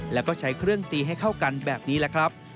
แล้วก็ใช้เครื่องตีให้เข้ากันแบบนี้แหละครับ